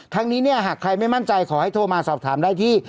ทั้งนี้เนี่ยหากใครไม่มั่นใจขอให้โทรมาสอบถามได้ที่